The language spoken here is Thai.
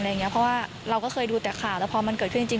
เพราะว่าเราก็เคยดูแต่ข่าวแล้วพอมันเกิดขึ้นจริง